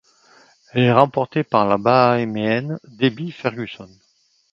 Elle est remportée par la Bahaméenne Debbie Ferguson.